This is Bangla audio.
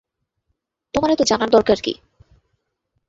তোমার এত জানার দরকার কি?